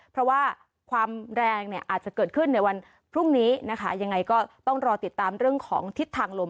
เพราะว่าความแรงเนี่ยอาจจะเกิดขึ้นในวันพรุ่งนี้นะคะยังไงก็ต้องรอติดตามเรื่องของทิศทางลม